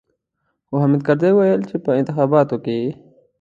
خو حامد کرزي ويل چې په انتخاباتو کې.